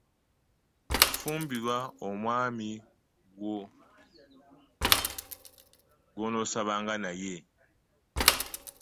Fumbirwa omwaami gwo no Saba nga naye.